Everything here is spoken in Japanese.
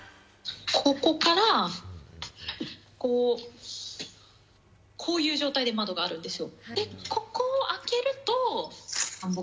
ここからこういう状態で窓があるんですよ。